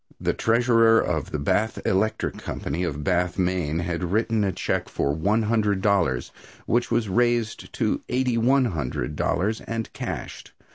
The treasurer of the Bath Electric Company, of Bath, Maine, had written a check for one hundred dollars, which was raised to eighty one hundred dollars and cashed.